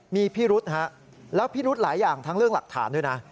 มีพิรุษฮะแล้วพิรุธหลายอย่างทั้งเรื่องหลักฐานด้วยนะ